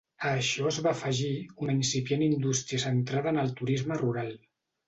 A això es va afegir una incipient indústria centrada en el turisme rural.